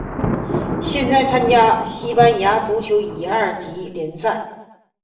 现在参加西班牙足球乙二级联赛。